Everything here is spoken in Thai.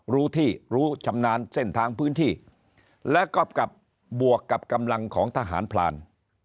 รู้ที่รู้ชำนาญเส้นทางพื้นที่และกรอบกับบวกกับกำลังของทหารพลาน